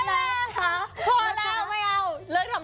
ลืมทำไร้สามารถตัวเอง